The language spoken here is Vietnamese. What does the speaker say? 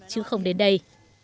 chứ không đến đây